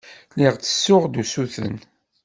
Lliɣ ttessuɣ-d usuten.